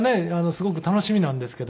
すごく楽しみなんですけども。